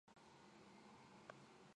かわいい猫がこっちを見ている